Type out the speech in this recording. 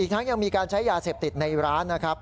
ทั้งยังมีการใช้ยาเสพติดในร้านนะครับ